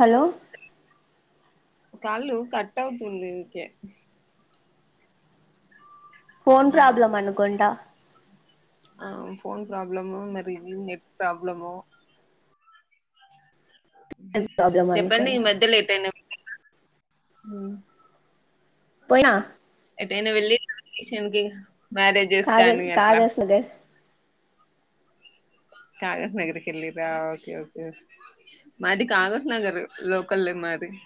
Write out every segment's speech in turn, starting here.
Hello call cut అవుతుంది okay phone problem అనుకుంట ఆ ఫోన్ ప్రాబ్లమో మరి ఇది నెట్ ప్రాబ్లమో నెట్ ప్రాబ్లం చెప్పండి ఈ అనుకుంటా మధ్యలో ఎటైనా పోయ్న ఎటైనా వెళ్ళి ఓకేషన్‌కీ మ్యారేజెస్ కాగజ్ కానీ అట్లా కాగజ్ నగర్ [inaudible] కాగస్ నాగర్ కి వెళ్ళిరా ఓకే ఓకే మాది కాగస్ నాగర్ లోకలే మాది [inaudible]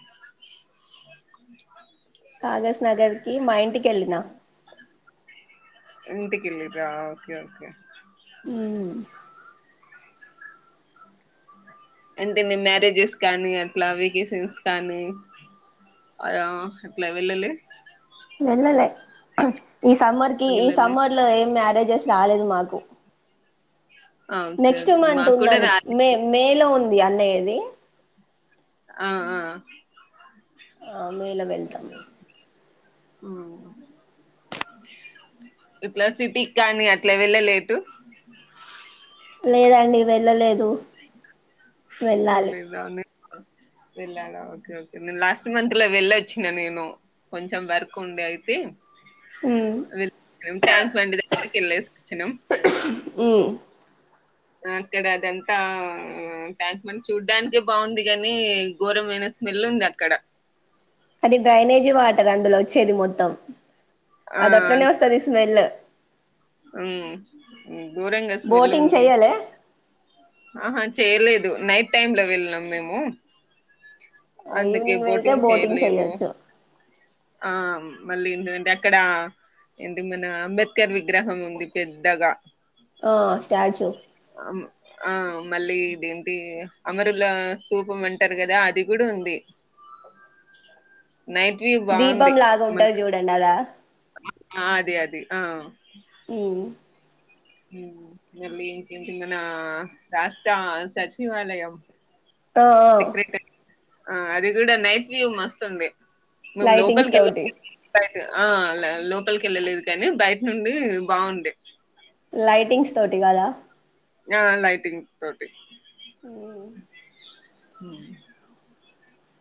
కాగస్ నాగర్ కి మా ఇంటికి ఏళ్ళిన ఇంటికెళ్ళిండ్రా ఓకే ఓకే మ్మ్ అంటే నె మ్యారేజెస్ కానీ అట్లా వెకేషన్స్ కానీ అయ అట్ల వెళ్లలే వెళ్లలే ఈ సమ్మర్ కి ఈ వెళ్ళలే సమ్మర్ లో ఏ మ్యారే జ్స్ రాలేదు మాకు ఆ, ఓకే నెక్స్ట్ ఓకే మంత్ మాకు కూడా ఉందనుకు రాలే మే మే లో ఉంది అన్నయ్యది ఆ ఆ ఆ మేలో వెళ్తాం హ్మ్ ఇట్లా సిటీకి కానీ అట్లే వెళ్ళలే ఎటు [unintelligible] లేదండి వెళ్ళలేదు వెళ్ళాలి ఏళ్లేదా నిక్ నేను లాస్ట్ మంత్ లో వెళ్ళొచ్చిన నేను కొంచెం వర్క్ ఉండే అయితే మ్మ్ వీల్ ట్యాంక్ బండ్ దగ్గరికి వెళ్లేసొచ్చినం హ్మ్ అక్కడ అదంతా ట్యాంక్ బండ్ చూడ్డానికే బాగుంది కాని ఘోరమైన స్ స్మెల్ ఉంది అక్కడ అది డ్రైనేజీ వాటర్ అందులో వచ్చేది మొత్తం. ఆ అదట్లనే వస్తాది స్మెల్ హ్మ్ ఘోరంగా స్మెల్ బోటింగ్ ఉంది. చెయ్యాలే ఆహా చేయలే దు నైట్ టైమ్ లో వెళ్ళినం మేము. అందుకే ఈవినింగ్ వెళ్తే బోటింగ్ చేయలేదు. చెయొచ్చు ఆ మళ్ళీ ఏంటంటే అక్కడ ఏంటి మన అంబేద్కర్ విగ్రహం ఉంది పెద్దగా. ఆ స్టాచు అమ్ ఆ మళ్ళీ ఇదేంటి అమరుల స్తూపం అంటారు కదా అది కూడా ఉంది. నైట్వివ్ దీపం బాగుంది లాగా మన్ ఉంటది చూడండి అలా ఆ అదే అది ఆ ఉమ్. హ్మ్ మళ్ళీ ఇంకేంటి మన రాష్ట్ర సచివాలయం ఆ ఆ సెక్రటరీ ఆ అది కూడా నైట్ వ్యూ మస్తు ఉంది. మేము లైటింగ్స్ లోపలికి వెళ్ తోటి [unintelligible] ఆ ల లోపలికి వెళ్ళలేదు కానీ బయట నుండి బాగుండే. లైటింగ్స్ తోటి కదా? ఆ లైటింగ్ తోటి. హ్మ్ హ్మ్